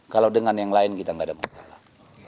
kalau dengan yang lain kita nggak ada masalah